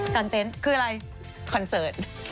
คืออะไรคอนเสิร์ต